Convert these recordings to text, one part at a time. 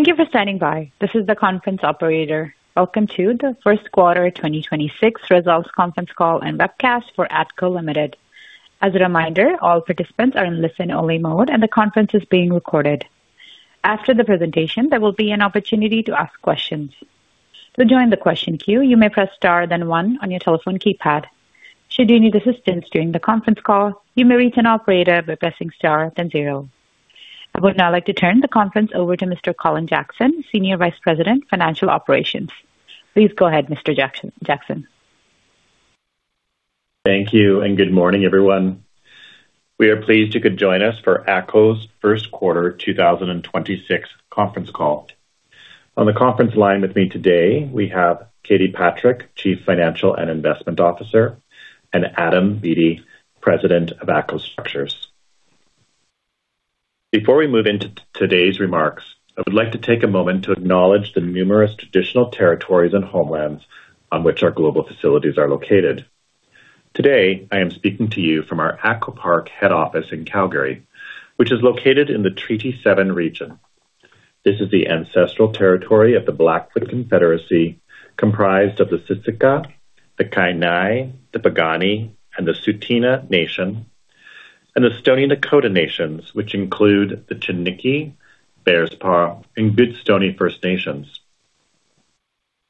Thank you for standing by. This is the conference operator. Welcome to the first quarter 2026 results conference call and webcast for ATCO Ltd. As a reminder, all participants are in listen-only mode, and the conference is being recorded. After the presentation, there will be an opportunity to ask questions. To join the question queue, you may press star then one on your telephone keypad. Should you need assistance during the conference call, you may reach an operator by pressing star then zero. I would now like to turn the conference over to Mr. Colin Jackson, Senior Vice President, Financial Operations. Please go ahead, Mr. Jackson. Thank you and good morning, everyone. We are pleased you could join us for ATCO's first quarter 2026 conference call. On the conference line with me today, we have Katie Patrick, Chief Financial and Investment Officer, and Adam Beattie, President of ATCO Structures. Before we move into today's remarks, I would like to take a moment to acknowledge the numerous traditional territories and homelands on which our global facilities are located. Today, I am speaking to you from our ATCO Park head office in Calgary, which is located in the Treaty 7 region. This is the ancestral territory of the Blackfoot Confederacy, comprised of the Siksika, the Kainai, the Piikani, and the Tsuut'ina Nation, and the Stoney Nakoda Nations, which include the Chiniki, Bearspaw, and Goodstoney First Nations.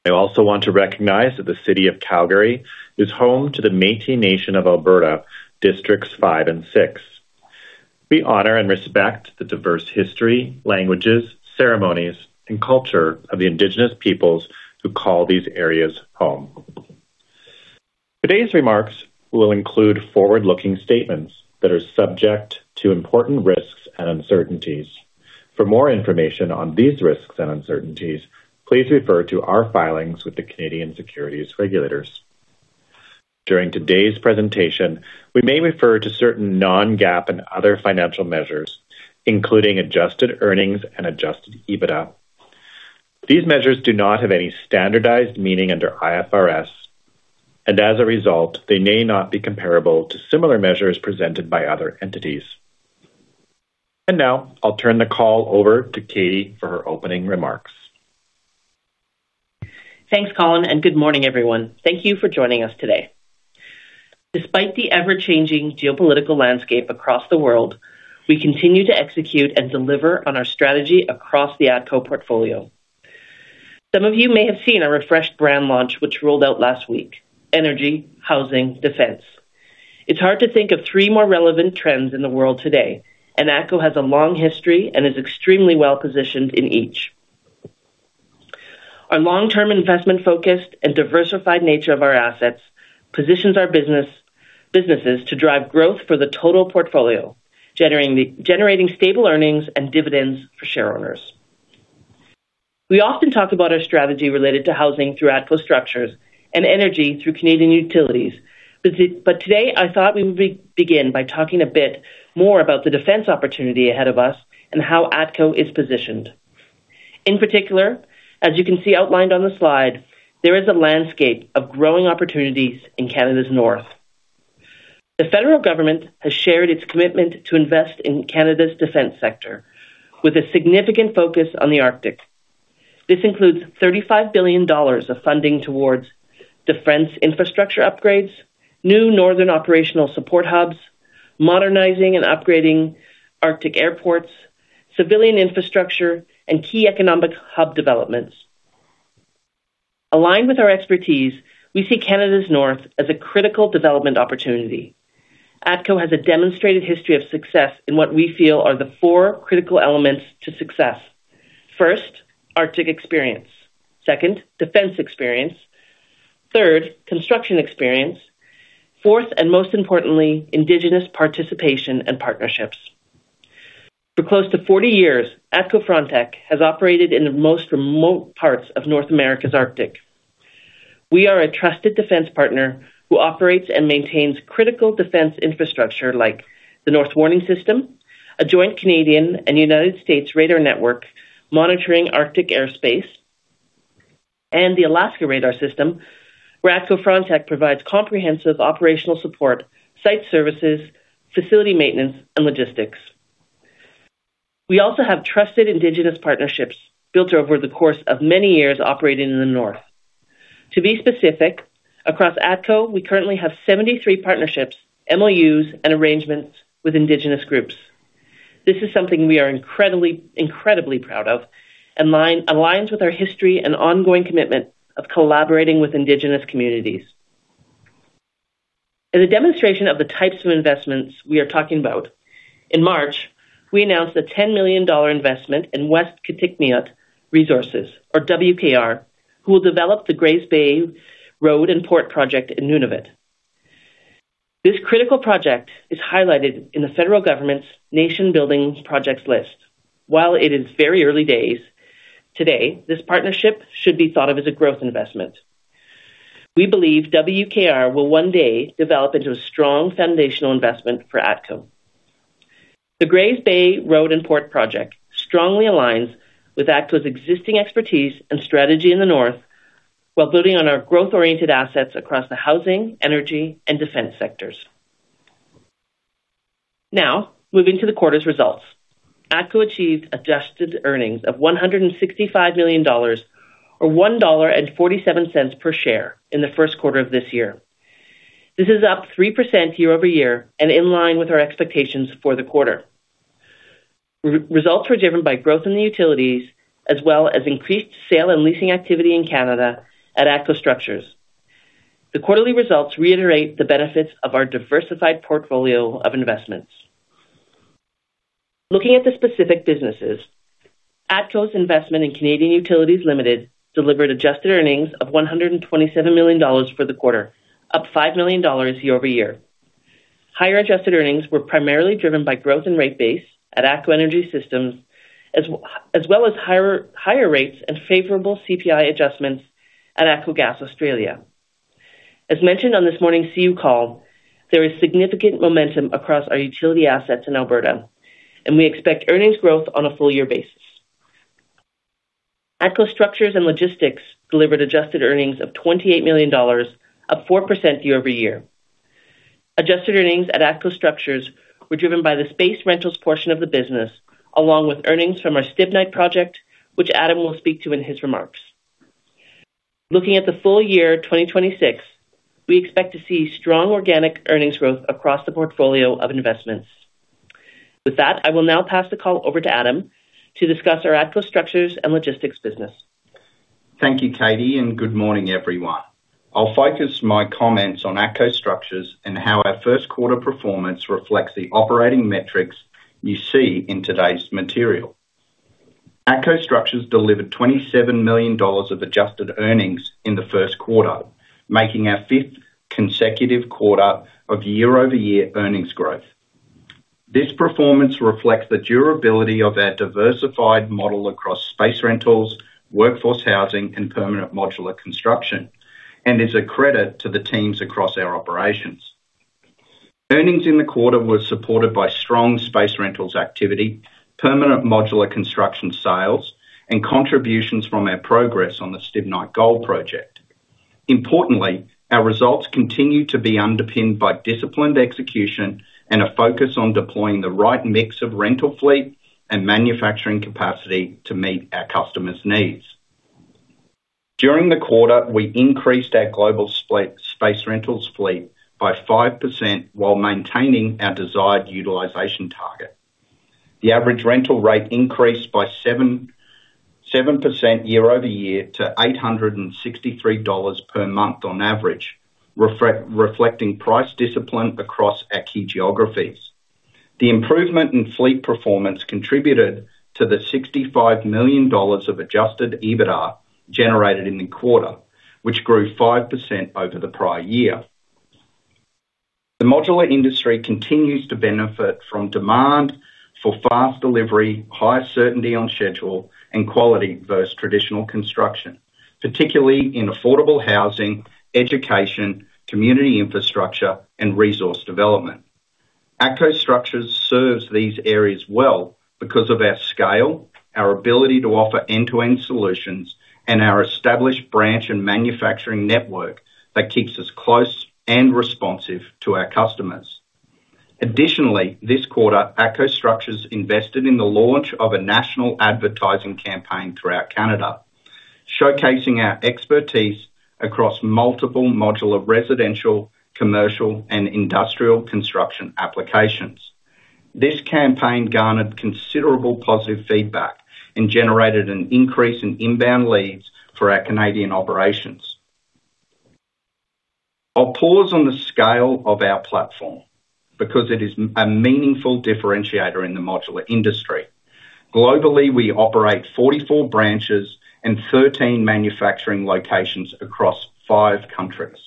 I also want to recognize that the City of Calgary is home to the Métis Nation of Alberta, Districts five and six. We honor and respect the diverse history, languages, ceremonies, and culture of the Indigenous peoples who call these areas home. Today's remarks will include forward-looking statements that are subject to important risks and uncertainties. For more information on these risks and uncertainties, please refer to our filings with the Canadian Securities Administrators. During today's presentation, we may refer to certain non-GAAP and other financial measures, including adjusted earnings and adjusted EBITDA. These measures do not have any standardized meaning under IFRS, and as a result, they may not be comparable to similar measures presented by other entities. Now I'll turn the call over to Katie for her opening remarks. Thanks, Colin. Good morning, everyone. Thank you for joining us today. Despite the ever-changing geopolitical landscape across the world, we continue to execute and deliver on our strategy across the ATCO portfolio. Some of you may have seen our refreshed brand launch, which rolled out last week: Energy, Housing, Defense. It's hard to think of three more relevant trends in the world today. ATCO has a long history and is extremely well-positioned in each. Our long-term investment-focused and diversified nature of our assets positions our businesses to drive growth for the total portfolio, generating stable earnings and dividends for shareowners. We often talk about our strategy related to housing through ATCO Structures and energy through Canadian Utilities. Today, I thought we would begin by talking a bit more about the defense opportunity ahead of us and how ATCO is positioned. In particular, as you can see outlined on the slide, there is a landscape of growing opportunities in Canada's North. The federal government has shared its commitment to invest in Canada's defense sector with a significant focus on the Arctic. This includes 35 billion dollars of funding towards defense infrastructure upgrades, new northern operational support hubs, modernizing and upgrading Arctic airports, civilian infrastructure, and key economic hub developments. Aligned with our expertise, we see Canada's North as a critical development opportunity. ATCO has a demonstrated history of success in what we feel are the four critical elements to success. First, Arctic experience. Second, defense experience. Third, construction experience. Fourth, and most importantly, Indigenous participation and partnerships. For close to 40 years, ATCO Frontec has operated in the most remote parts of North America's Arctic. We are a trusted defense partner who operates and maintains critical defense infrastructure like the North Warning System, a joint Canadian and U.S. radar network monitoring Arctic airspace, and the Alaska Radar System, where ATCO Frontec provides comprehensive operational support, site services, facility maintenance, and logistics. We also have trusted Indigenous partnerships built over the course of many years operating in the North. To be specific, across ATCO, we currently have 73 partnerships, MOUs, and arrangements with Indigenous groups. This is something we are incredibly proud of, aligns with our history and ongoing commitment of collaborating with Indigenous communities. As a demonstration of the types of investments we are talking about, in March, we announced a 10 million dollar investment in West Kitikmeot Resources or WKR, who will develop the Grays Bay Road and Port project in Nunavut. This critical project is highlighted in the federal government's Nation Building Projects list. While it is very early days, today, this partnership should be thought of as a growth investment. We believe WKR will one day develop into a strong foundational investment for ATCO. The Grays Bay Road and Port project strongly aligns with ATCO's existing expertise and strategy in the North while building on our growth-oriented assets across the housing, energy, and defense sectors. Moving to the quarter's results. ATCO achieved adjusted earnings of 165 million dollars, or 1.47 dollar per share in the first quarter of this year. This is up 3% year-over-year and in line with our expectations for the quarter. Results were driven by growth in the utilities as well as increased sale and leasing activity in Canada at ATCO Structures. The quarterly results reiterate the benefits of our diversified portfolio of investments. Looking at the specific businesses. ATCO's investment in Canadian Utilities Limited delivered adjusted earnings of 127 million dollars for the quarter, up 5 million dollars year-over-year. Higher adjusted earnings were primarily driven by growth in rate base at ATCO Energy Systems, as well as higher rates and favorable CPI adjustments at ATCO Gas Australia. As mentioned on this morning's CU call, there is significant momentum across our utility assets in Alberta, and we expect earnings growth on a full year basis. ATCO Structures and Logistics delivered adjusted earnings of 28 million dollars, up 4% year-over-year. Adjusted earnings at ATCO Structures were driven by the space rentals portion of the business, along with earnings from our Stibnite project, which Adam will speak to in his remarks. Looking at the full year 2026, we expect to see strong organic earnings growth across the portfolio of investments. With that, I will now pass the call over to Adam to discuss our ATCO Structures and Logistics business. Thank you, Katie, and good morning everyone. I'll focus my comments on ATCO Structures and how our 1st quarter performance reflects the operating metrics you see in today's material. ATCO Structures delivered 27 million dollars of adjusted earnings in the 1st quarter, making our 5th consecutive quarter of year-over-year earnings growth. This performance reflects the durability of our diversified model across space rentals, workforce housing, and permanent modular construction, and is a credit to the teams across our operations. Earnings in the quarter were supported by strong space rentals activity, permanent modular construction sales, and contributions from our progress on the Stibnite Gold Project. Importantly, our results continue to be underpinned by disciplined execution and a focus on deploying the right mix of rental fleet and manufacturing capacity to meet our customers' needs. During the quarter, we increased our global space rentals fleet by 5% while maintaining our desired utilization target. The average rental rate increased by 7% year-over-year to 863 dollars per month on average, reflecting price discipline across our key geographies. The improvement in fleet performance contributed to the 65 million dollars of adjusted EBITDA generated in the quarter, which grew 5% over the prior year. The modular industry continues to benefit from demand for fast delivery, high certainty on schedule, and quality versus traditional construction, particularly in affordable housing, education, community infrastructure, and resource development. ATCO Structures serves these areas well because of our scale, our ability to offer end-to-end solutions, and our established branch and manufacturing network that keeps us close and responsive to our customers. Additionally, this quarter, ATCO Structures invested in the launch of a national advertising campaign throughout Canada, showcasing our expertise across multiple modular residential, commercial, and industrial construction applications. This campaign garnered considerable positive feedback and generated an increase in inbound leads for our Canadian operations. I'll pause on the scale of our platform because it is a meaningful differentiator in the modular industry. Globally, we operate 44 branches and 13 manufacturing locations across five countries.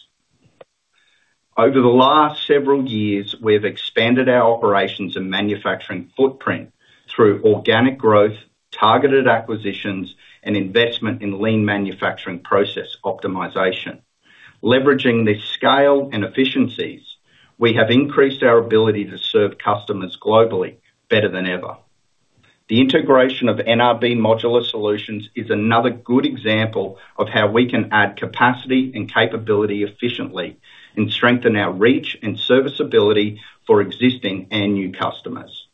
Over the last several years, we have expanded our operations and manufacturing footprint through organic growth, targeted acquisitions, and investment in lean manufacturing process optimization. Leveraging the scale and efficiencies, we have increased our ability to serve customers globally better than ever. The integration of NRB Modular Solutions is another good example of how we can add capacity and capability efficiently and strengthen our reach and serviceability for existing and new customers.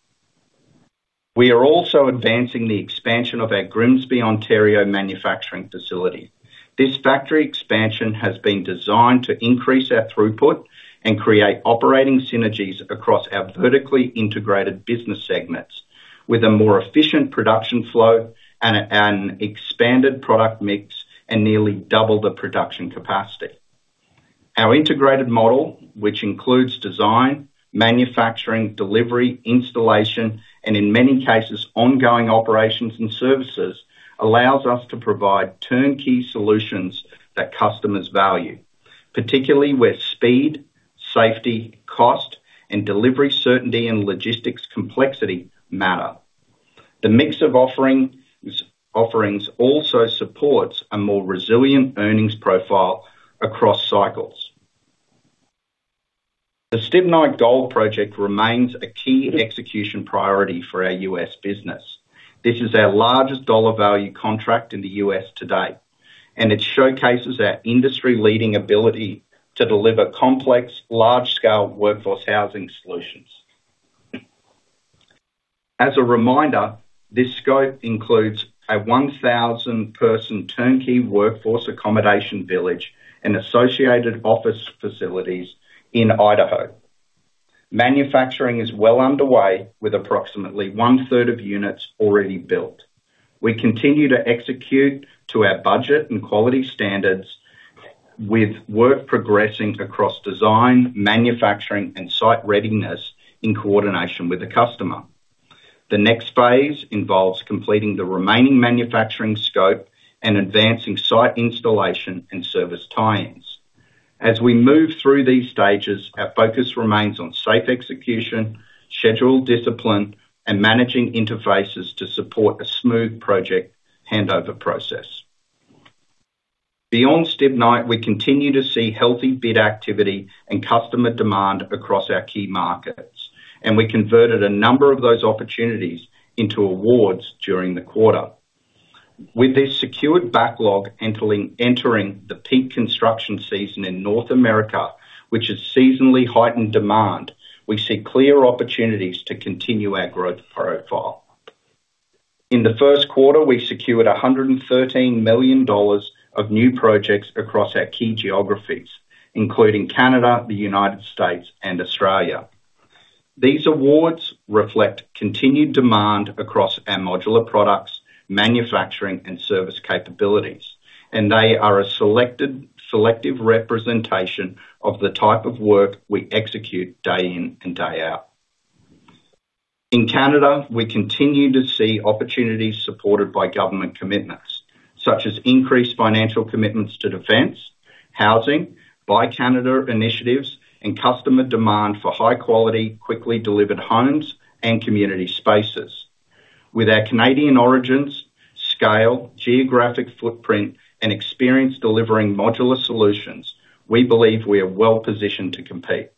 We are also advancing the expansion of our Grimsby, Ontario manufacturing facility. This factory expansion has been designed to increase our throughput and create operating synergies across our vertically integrated business segments with a more efficient production flow and an expanded product mix, and nearly double the production capacity. Our integrated model, which includes design, manufacturing, delivery, installation, and in many cases, ongoing operations and services, allows us to provide turnkey solutions that customers value, particularly where speed, safety, cost, and delivery certainty and logistics complexity matter. The mix of offerings also supports a more resilient earnings profile across cycles. The Stibnite Gold Project remains a key execution priority for our U.S. business. This is our largest dollar value contract in the U.S. today. It showcases our industry leading ability to deliver complex, large scale workforce housing solutions. As a reminder, this scope includes a 1,000 person turnkey workforce accommodation village and associated office facilities in Idaho. Manufacturing is well underway, with approximately one third of units already built. We continue to execute to our budget and quality standards, with work progressing across design, manufacturing and site readiness in coordination with the customer. The next phase involves completing the remaining manufacturing scope and advancing site installation and service tie-ins. As we move through these stages, our focus remains on safe execution, schedule discipline and managing interfaces to support a smooth project handover process. Beyond Stibnite, we continue to see healthy bid activity and customer demand across our key markets, and we converted a number of those opportunities into awards during the quarter. With this secured backlog entering the peak construction season in North America, which is seasonally heightened demand, we see clear opportunities to continue our growth profile. In the first quarter, we secured 113 million dollars of new projects across our key geographies, including Canada, the United States and Australia. These awards reflect continued demand across our modular products, manufacturing and service capabilities. They are a selective representation of the type of work we execute day in and day out. In Canada, we continue to see opportunities supported by government commitments such as increased financial commitments to defense, housing, Buy Canada initiatives and customer demand for high quality, quickly delivered homes and community spaces. With our Canadian origins, scale, geographic footprint and experience delivering modular solutions, we believe we are well positioned to compete.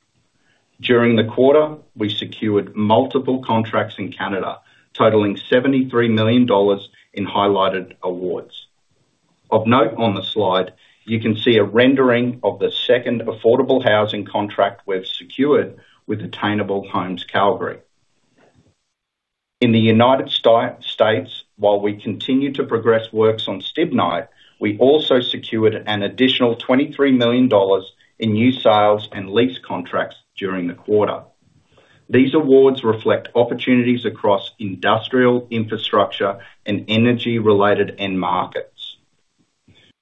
During the quarter, we secured multiple contracts in Canada totaling 73 million dollars in highlighted awards. Of note, on the slide, you can see a rendering of the second affordable housing contract we've secured with Attainable Homes Calgary. In the U.S., while we continue to progress works on Stibnite, we also secured an additional 23 million dollars in new sales and lease contracts during the quarter. These awards reflect opportunities across industrial infrastructure and energy related end markets.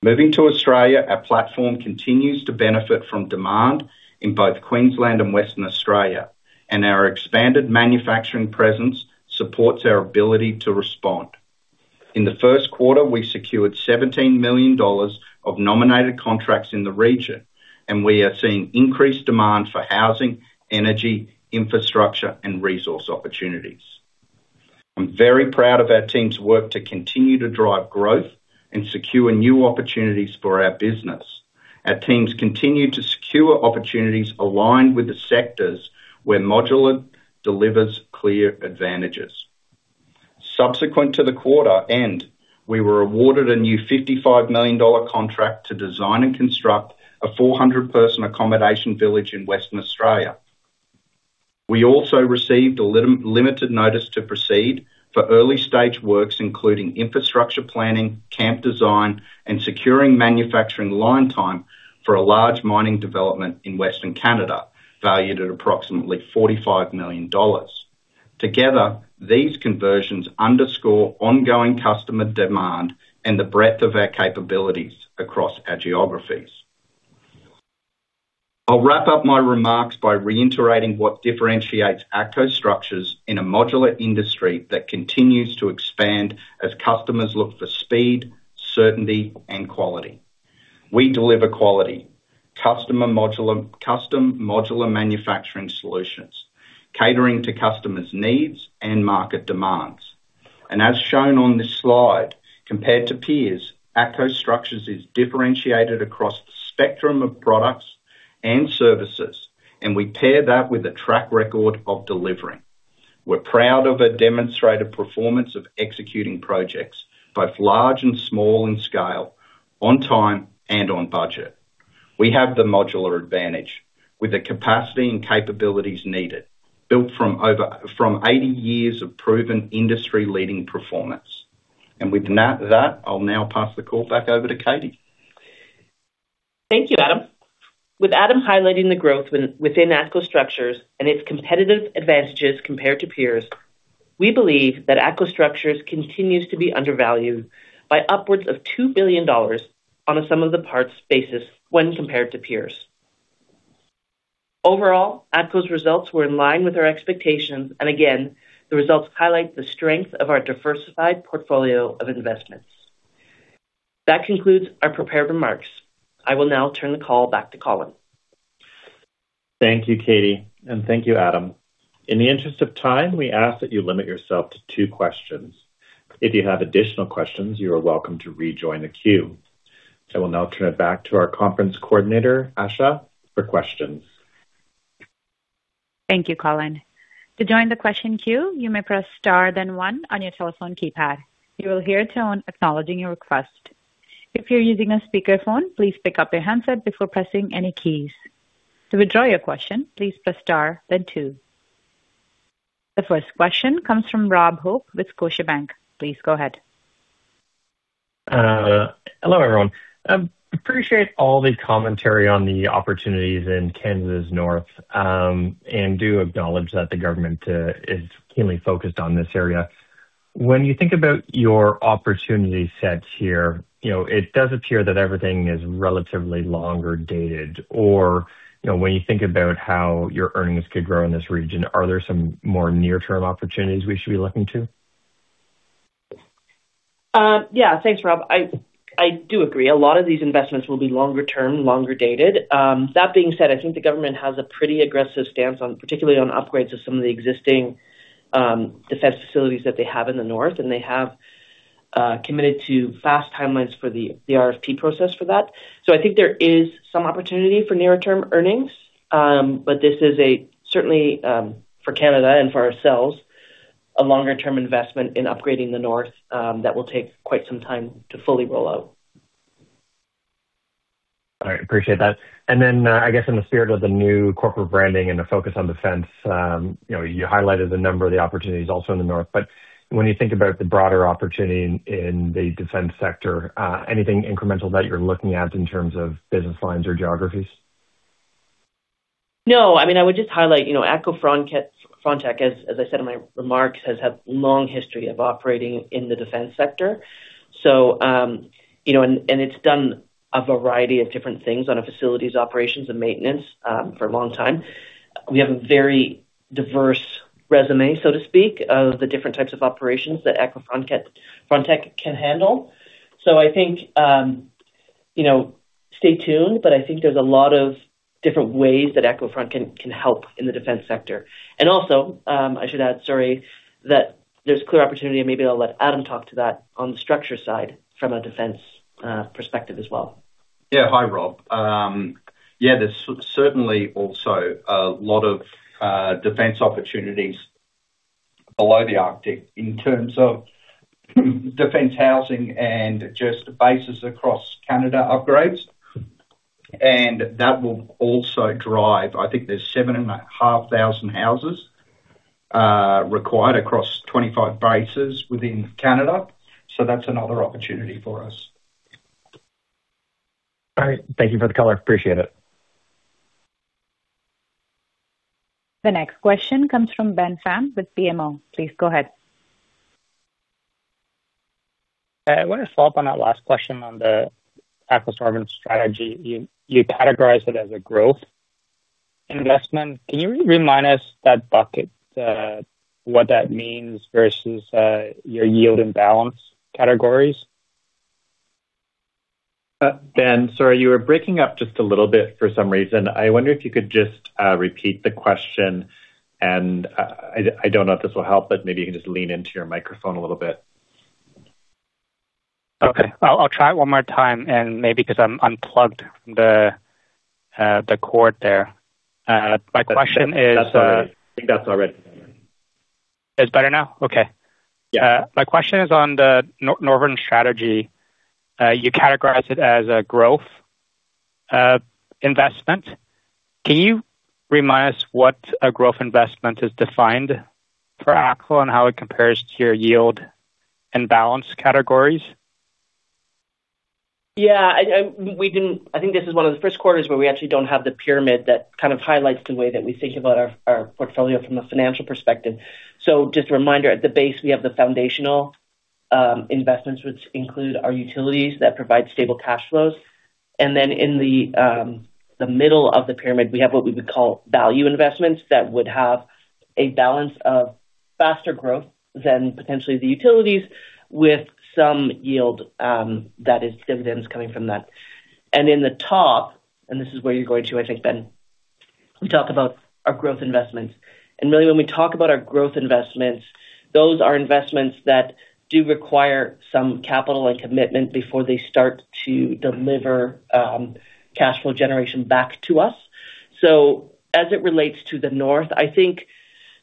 Moving to Australia, our platform continues to benefit from demand in both Queensland and Western Australia, and our expanded manufacturing presence supports our ability to respond. In the first quarter, we secured 17 million dollars of nominated contracts in the region, and we are seeing increased demand for housing, energy, infrastructure and resource opportunities. I'm very proud of our team's work to continue to drive growth and secure new opportunities for our business. Our teams continue to secure opportunities aligned with the sectors where modular delivers clear advantages. Subsequent to the quarter end, we were awarded a new 55 million dollar contract to design and construct a 400-person accommodation village in Western Australia. We also received a limited notice to proceed for early stage works, including infrastructure planning, camp design and securing manufacturing line time for a large mining development in Western Canada, valued at approximately 45 million dollars. Together, these conversions underscore ongoing customer demand and the breadth of our capabilities across our geographies. I'll wrap up my remarks by reiterating what differentiates ATCO Structures in a modular industry that continues to expand as customers look for speed, certainty and quality. We deliver quality custom modular manufacturing solutions, catering to customers' needs and market demands. As shown on this slide, compared to peers, ATCO Structures is differentiated across the spectrum of products and services, and we pair that with a track record of delivering. We're proud of a demonstrated performance of executing projects both large and small in scale, on time and on budget. We have the modular advantage with the capacity and capabilities needed, built from 80 years of proven industry leading performance. With that, I'll now pass the call back over to Katie. Thank you, Adam. With Adam highlighting the growth within ATCO Structures and its competitive advantages compared to peers, we believe that ATCO Structures continues to be undervalued by upwards of 2 billion dollars on a sum of the parts basis when compared to peers. Overall, ATCO's results were in line with our expectations, and again, the results highlight the strength of our diversified portfolio of investments. That concludes our prepared remarks. I will now turn the call back to Colin. Thank you, Katie. Thank you, Adam. In the interest of time, we ask that you limit yourself to two questions. If you have additional questions, you are welcome to rejoin the queue. I will now turn it back to our conference coordinator, Asha, for questions. Thank you, Colin. To join the question queue, you may press star then one on your telephone keypad. You will hear a tone acknowledging your request. If you're using a speakerphone, please pick up your handset before pressing any keys. To withdraw your question, please press star then two. The first question comes from Rob Hope with Scotiabank. Please go ahead. Hello, everyone. Appreciate all the commentary on the opportunities in Canada's North, and do acknowledge that the government is keenly focused on this area. When you think about your opportunity sets here, you know, it does appear that everything is relatively longer dated or, you know, when you think about how your earnings could grow in this region, are there some more near-term opportunities we should be looking to? Yeah. Thanks, Rob. I do agree. A lot of these investments will be longer term, longer dated. That being said, I think the government has a pretty aggressive stance on, particularly on upgrades of some of the existing defense facilities that they have in the north, and they have committed to fast timelines for the RFP process for that. I think there is some opportunity for near-term earnings. This is a certainly for Canada and for ourselves, a longer-term investment in upgrading the north that will take quite some time to fully roll out. All right. Appreciate that. I guess in the spirit of the new corporate branding and the focus on defense, you know, you highlighted a number of the opportunities also in the north. When you think about the broader opportunity in the defense sector, anything incremental that you're looking at in terms of business lines or geographies? No. I mean, I would just highlight, you know, ATCO Frontec, as I said in my remarks, has had long history of operating in the defense sector. You know, and it's done a variety of different things on a facilities operations and maintenance for a long time. We have a very diverse resume, so to speak, of the different types of operations that ATCO Frontec can handle. I think, you know, stay tuned, I think there's a lot of different ways that ATCO Frontec can help in the defense sector. Also, I should add, sorry, that there's clear opportunity, and maybe I'll let Adam talk to that on the structure side from a defense perspective as well. Yeah. Hi, Rob. Yeah, there's certainly also a lot of defense opportunities below the Arctic in terms of defense housing and just bases across Canada upgrades. That will also drive, I think there's 7,500 houses required across 25 bases within Canada. That's another opportunity for us. All right. Thank you for the color. Appreciate it. The next question comes from Ben Pham with BMO. Please go ahead. I wanna follow-up on that last question on the ATCO northern strategy. You categorized it as a growth investment. Can you remind us that bucket, what that means versus your yield and balance categories? Ben, sorry, you were breaking up just a little bit for some reason. I wonder if you could just repeat the question, and I don't know if this will help, but maybe you can just lean into your microphone a little bit. Okay. I'll try it one more time and maybe 'cause I'm unplugged the cord there. My question is. That's all right. I think that's all right. It's better now? Okay. Yeah. My question is on the northern strategy. You categorized it as a growth investment. Can you remind us what a growth investment is defined for ATCO and how it compares to your yield and balance categories? Yeah. I think this is one of the first quarters where we actually don't have the pyramid that kind of highlights the way that we think about our portfolio from a financial perspective. Just a reminder, at the base, we have the foundational investments, which include our utilities that provide stable cash flows. In the middle of the pyramid, we have what we would call value investments that would have a balance of faster growth than potentially the utilities with some yield, that is dividends coming from that. In the top, this is where you're going to, I think, Ben, we talk about our growth investments. When we talk about our growth investments, those are investments that do require some capital and commitment before they start to deliver cash flow generation back to us. As it relates to the North, I think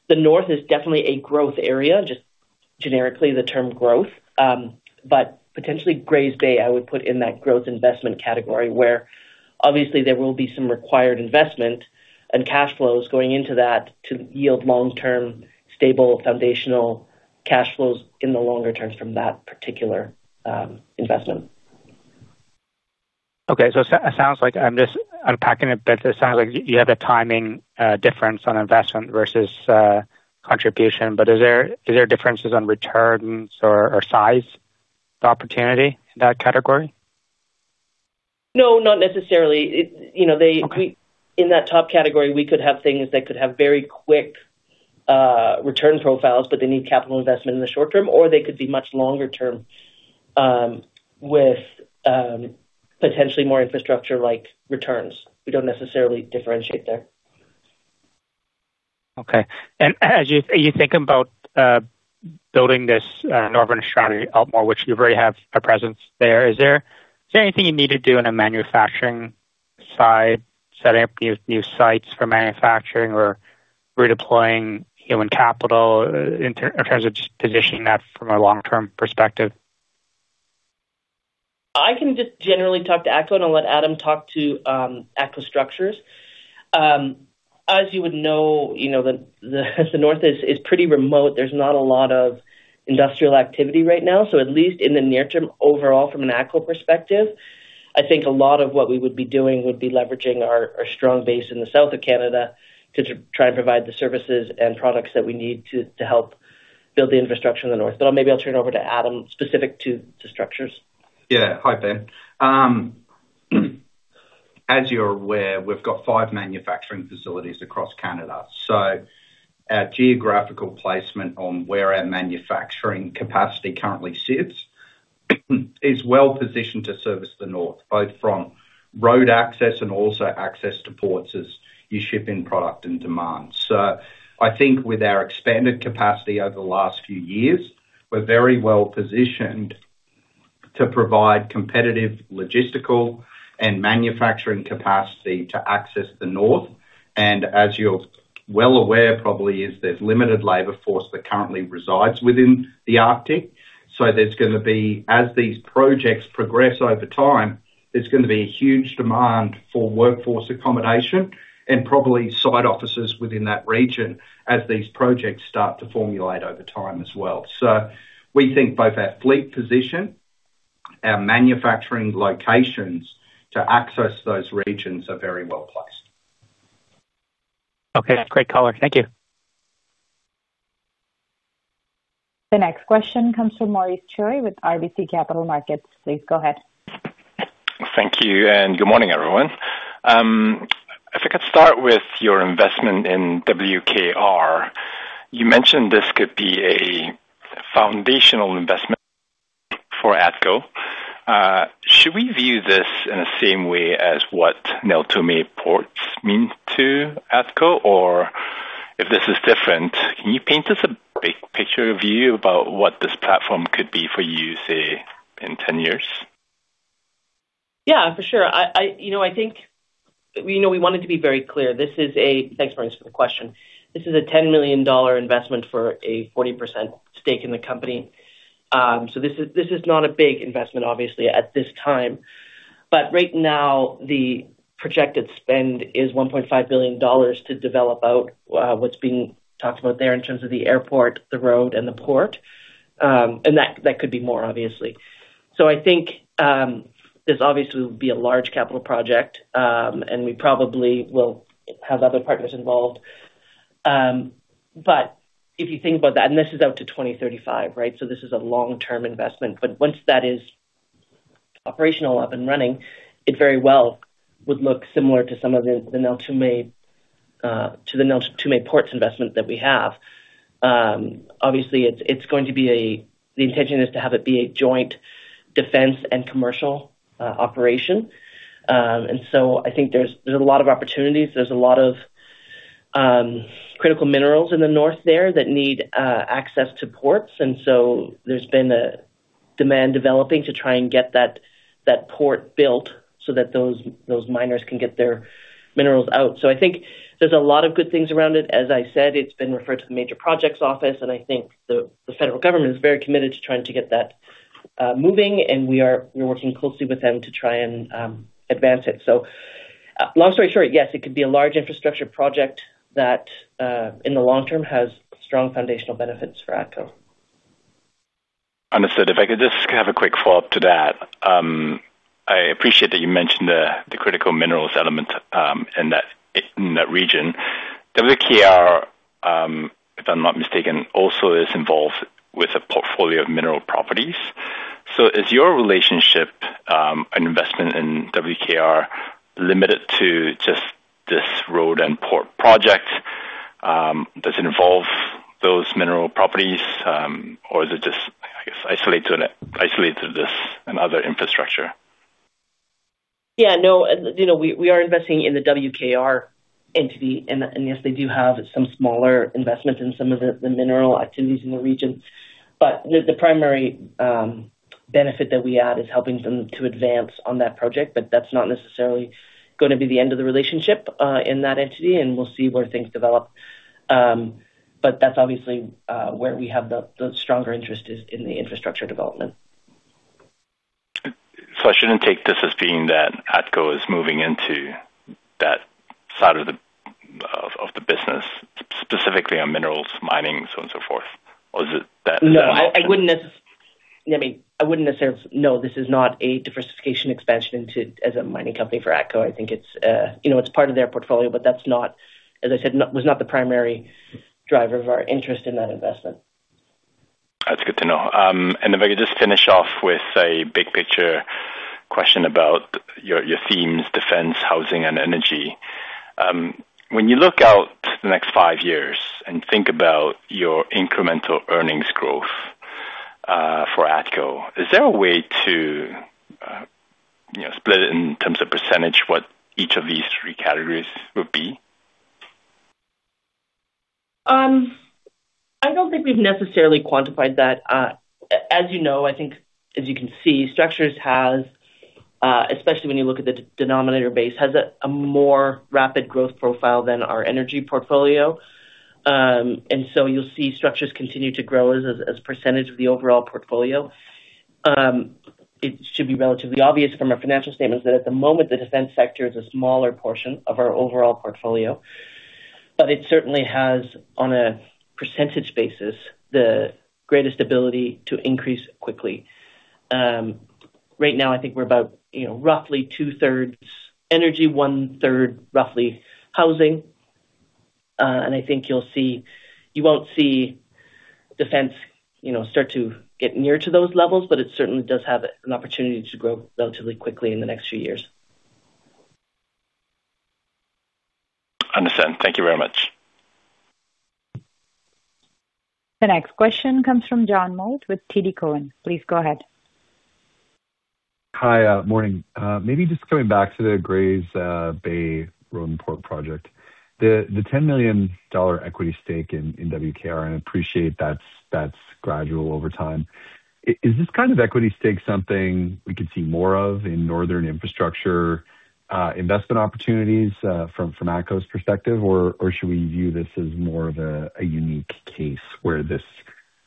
the North is definitely a growth area, just generically the term growth. But potentially Grays Bay, I would put in that growth investment category where obviously there will be some required investment and cash flows going into that to yield long-term, stable, foundational cash flows in the longer term from that particular investment. Okay. It sounds like I'm just unpacking a bit. It sounds like you have a timing difference on investment versus contribution. Is there differences on returns or size of opportunity in that category? No, not necessarily. Okay. In that top category, we could have things that could have very quick return profiles, but they need capital investment in the short term, or they could be much longer term, with potentially more infrastructure like returns. We don't necessarily differentiate there. Okay. As you think about building this northern strategy out more, which you already have a presence there, is there anything you need to do on a manufacturing side, setting up new sites for manufacturing or redeploying human capital in terms of just positioning that from a long-term perspective? I can just generally talk to ATCO and I'll let Adam talk to ATCO Structures. As you would know, you know, the North is pretty remote. There's not a lot of industrial activity right now. At least in the near term, overall from an ATCO perspective, I think a lot of what we would be doing would be leveraging our strong base in the south of Canada to try and provide the services and products that we need to help build the infrastructure in the north. Maybe I'll turn over to Adam, specific to structures. Hi, Ben. As you're aware, we've got five manufacturing facilities across Canada. Our geographical placement on where our manufacturing capacity currently sits is well-positioned to service the North, both from road access and also access to ports as you ship in product and demand. I think with our expanded capacity over the last few years, we're very well-positioned to provide competitive logistical and manufacturing capacity to access the North. As you're well aware, probably is there's limited labor force that currently resides within the Arctic. There's gonna be, as these projects progress over time, there's gonna be a huge demand for workforce accommodation and probably site offices within that region as these projects start to formulate over time as well. We think both our fleet position, our manufacturing locations to access those regions are very well-placed. Okay. That's great color. Thank you. The next question comes from Maurice Choy with RBC Capital Markets. Please go ahead. Thank you, and good morning, everyone. If I could start with your investment in WKR. You mentioned this could be a foundational investment for ATCO. Should we view this in the same way as what Neltume Ports means to ATCO? If this is different, can you paint us a big picture view about what this platform could be for you, say, in 10 years? Yeah, for sure. You know, I think, you know, we wanted to be very clear. Thanks, Maurice, for the question. This is a 10 million dollar investment for a 40% stake in the company. This is not a big investment obviously at this time. Right now, the projected spend is 1.5 billion dollars to develop out what's being talked about there in terms of the airport, the road and the port. That could be more obviously. I think, this obviously will be a large capital project, and we probably will have other partners involved. If you think about that, and this is out to 2035, right? This is a long-term investment. Once that is operational, up and running, it very well would look similar to some of the Neltume Ports investment that we have. Obviously, the intention is to have it be a joint defense and commercial operation. I think there's a lot of opportunities. There's a lot of critical minerals in the north there that need access to ports. There's been a demand developing to try and get that port built so that those miners can get their minerals out. I think there's a lot of good things around it. As I said, it's been referred to the Major Projects Office, and I think the federal government is very committed to trying to get that moving, and we are, we're working closely with them to try and advance it. Long story short, yes, it could be a large infrastructure project that in the long term, has strong foundational benefits for ATCO. Understood. If I could just have a quick follow-up to that. I appreciate that you mentioned the critical minerals element in that region. WKR, if I'm not mistaken, also is involved with a portfolio of mineral properties. Is your relationship and investment in WKR limited to just this road and port project? Does it involve those mineral properties? Or is it just, I guess, isolated to this and other infrastructure? Yeah, no. You know, we are investing in the WKR entity. Yes, they do have some smaller investments in some of the mineral activities in the region. The primary benefit that we add is helping them to advance on that project, but that's not necessarily gonna be the end of the relationship in that entity, and we'll see where things develop. That's obviously where we have the stronger interest is in the infrastructure development. I shouldn't take this as being that ATCO is moving into that side of the business, specifically on minerals, mining, so on and so forth? Or is it that? No, I mean, I wouldn't necessarily, this is not a diversification expansion into as a mining company for ATCO. I think it's, you know, it's part of their portfolio, but that's not, as I said, was not the primary driver of our interest in that investment. That's good to know. If I could just finish off with a big picture question about your themes, defense, housing, and energy. When you look out the next five years and think about your incremental earnings growth for ATCO, is there a way to split it in terms of percentage, what each of these three categories would be? I don't think we've necessarily quantified that. As you know, I think as you can see, ATCO Structures has, especially when you look at the denominator base, has a more rapid growth profile than our energy portfolio. You'll see ATCO Structures continue to grow as a percentage of the overall portfolio. It should be relatively obvious from our financial statements that at the moment, the defense sector is a smaller portion of our overall portfolio. It certainly has, on a percentage basis, the greatest ability to increase quickly. Right now, I think we're about, you know, roughly 2/3 energy, 1/3 roughly housing. I think you won't see defense, you know, start to get near to those levels, but it certainly does have an opportunity to grow relatively quickly in the next few years. Understand. Thank you very much. The next question comes from John Mould with TD Cowen. Please go ahead. Hi. morning. maybe just coming back to the Grays Bay Road and Port project. The 10 million dollar equity stake in WKR, and I appreciate that's gradual over time. Is this kind of equity stake something we could see more of in northern infrastructure investment opportunities from ATCO's perspective? Should we view this as more of a unique case where this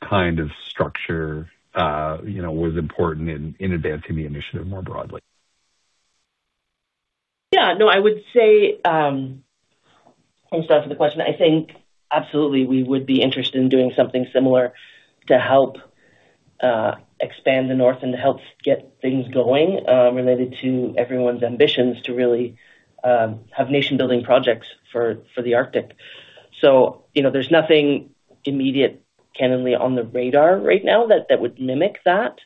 kind of structure, you know, was important in advancing the initiative more broadly? Yeah. No, I would say, thanks John for the question. I think absolutely, we would be interested in doing something similar to help expand the North and to help get things going related to everyone's ambitions to really have nation-building projects for the Arctic. You know, there's nothing immediate currently on the radar right now that would mimic that,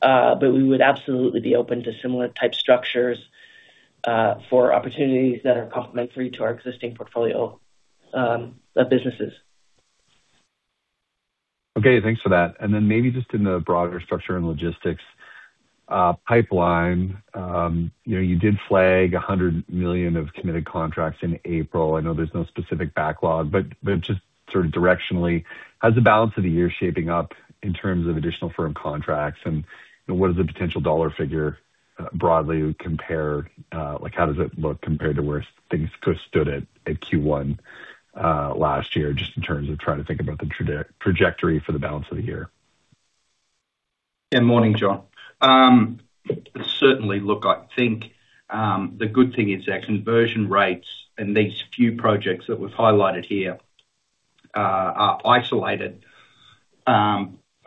but we would absolutely be open to similar type structures for opportunities that are complementary to our existing portfolio of businesses. Okay. Thanks for that. Maybe just in the broader Structures and Logistics pipeline, you know, you did flag 100 million of committed contracts in April. I know there's no specific backlog, but just sort of directionally, how's the balance of the year shaping up in terms of additional firm contracts and, you know, what is the potential dollar figure broadly compared to where things stood at Q1 last year? Just in terms of trying to think about the trajectory for the balance of the year. Morning, John. Certainly. Look, I think, the good thing is our conversion rates and these few projects that we've highlighted here, are isolated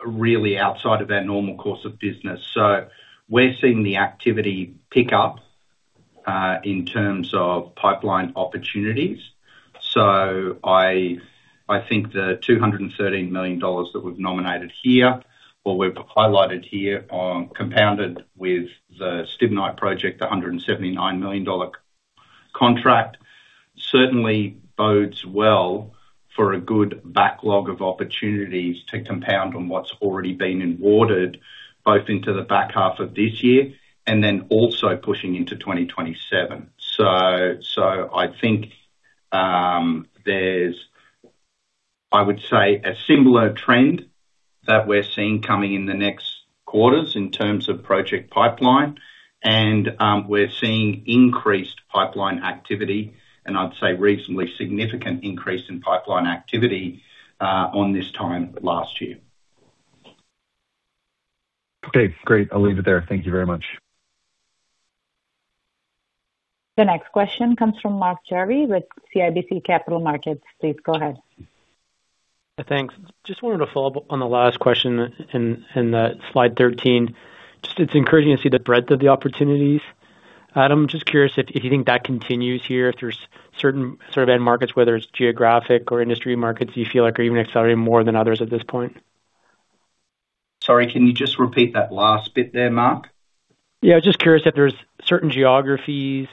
really outside of our normal course of business. We're seeing the activity pick up in terms of pipeline opportunities. I think the 213 million dollars that we've nominated here or we've highlighted here on, compounded with the Stibnite Gold Project, the 179 million dollar contract, certainly bodes well for a good backlog of opportunities to compound on what's already been awarded, both into the back half of this year and then also pushing into 2027. I think there's, I would say, a similar trend that we're seeing coming in the next quarters in terms of project pipeline. We're seeing increased pipeline activity, and I'd say reasonably significant increase in pipeline activity, on this time last year. Okay, great. I'll leave it there. Thank you very much. The next question comes from Mark Jarvi with CIBC Capital Markets. Please go ahead. Thanks. Wanted to follow-up on the last question in that Slide 13. It's encouraging to see the breadth of the opportunities. Adam, curious if you think that continues here, if there's certain sort of end markets, whether it's geographic or industry markets you feel like are even accelerating more than others at this point. Sorry, can you just repeat that last bit there, Mark? Yeah, just curious if there's certain geographies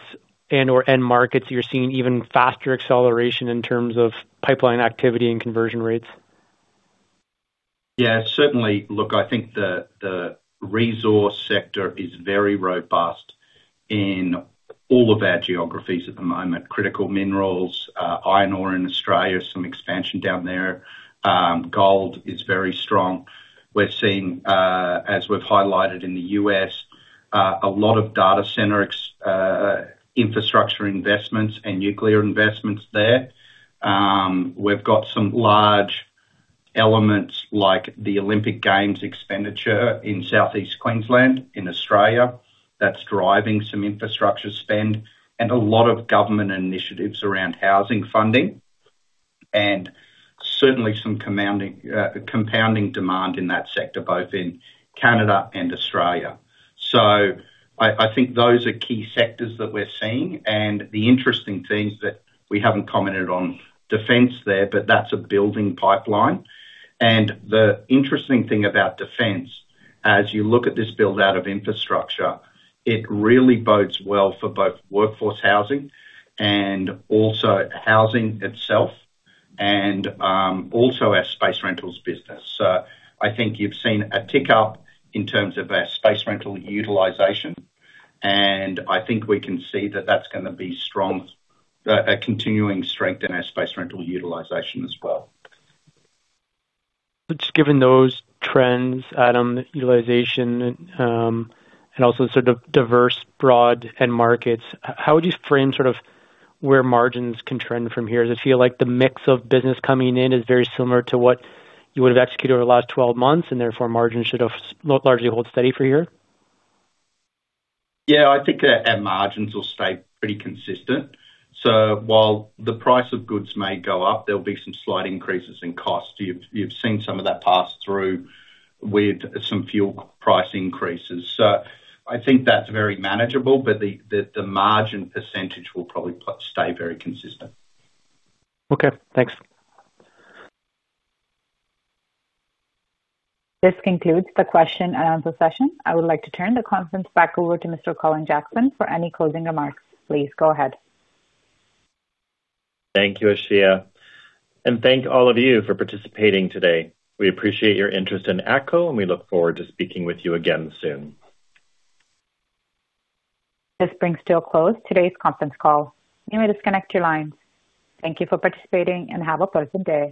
and/or end markets you're seeing even faster acceleration in terms of pipeline activity and conversion rates? Yeah, certainly. Look, I think the resource sector is very robust in all of our geographies at the moment. Critical minerals, iron ore in Australia, some expansion down there. Gold is very strong. We're seeing, as we've highlighted in the U.S., a lot of data center infrastructure investments and nuclear investments there. We've got some large elements like the Olympic Games expenditure in Southeast Queensland in Australia that's driving some infrastructure spend and a lot of government initiatives around housing funding, and certainly some compounding demand in that sector, both in Canada and Australia. I think those are key sectors that we're seeing. The interesting thing is that we haven't commented on defense there, but that's a building pipeline. The interesting thing about defense, as you look at this build-out of infrastructure, it really bodes well for both workforce housing and also housing itself and also our space rentals business. I think you've seen a tick-up in terms of our space rental utilization, and I think we can see that that's gonna be strong, a continuing strength in our space rental utilization as well. Just given those trends, Adam, utilization, and also sort of diverse broad end markets, how would you frame sort of where margins can trend from here? Does it feel like the mix of business coming in is very similar to what you would have executed over the last 12 months and therefore margins should have largely hold steady for here? Yeah, I think our margins will stay pretty consistent. While the price of goods may go up, there'll be some slight increases in costs. You've seen some of that pass through with some fuel price increases. I think that's very manageable, but the margin percentage will probably stay very consistent. Okay, thanks. This concludes the question-and-answer session. I would like to turn the conference back over to Mr. Colin Jackson for any closing remarks. Please go ahead. Thank you, Asha. Thank all of you for participating today. We appreciate your interest in ATCO, and we look forward to speaking with you again soon. This brings to a close today's conference call. You may disconnect your lines. Thank you for participating, and have a pleasant day.